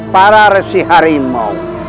para resi harimau